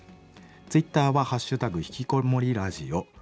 ツイッターは「＃ひきこもりラジオ」。